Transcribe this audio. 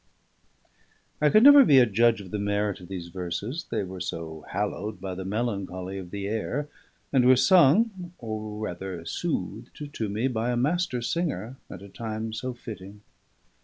I could never be a judge of the merit of these verses; they were so hallowed by the melancholy of the air, and were sung (or rather "soothed") to me by a master singer at a time so fitting.